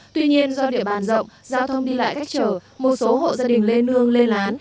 tuy nhiên do địa bàn rộng giao thông đi lại cách trở một số hộ gia đình lê nương lên lán